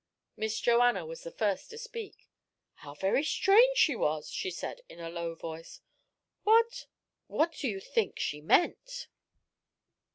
Miss Joanna was the first to speak. "How very strange she was!" she said, in a low voice. "What what do you think she meant?"